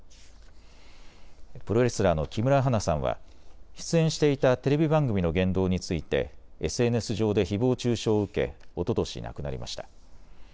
プロレスラーの木村花さんは出演していたテレビ番組の言動についてＳＮＳ上でひぼう中傷を受け、おととし亡くなりました。